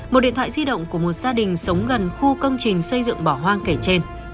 một điện thoại di động của một gia đình sống gần khu công trình xây dựng bỏ hoang kể trên